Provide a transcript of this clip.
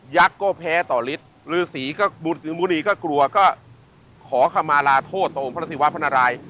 ยักษ์ก็แพ้ต่อฤทธิ์ภรรษีมุณีก็กลัวก็ขอขมาลาโทษต่อองค์พระศิวะพระนารายย์